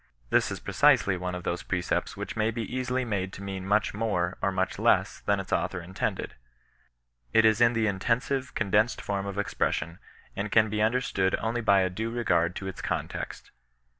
This is precisely one of those precepts which may be easily made to mean m^ich more, or much less, thaji its author intended. It is in the irUensive, con densed form of expression, and can be understood only by a due regard to its context.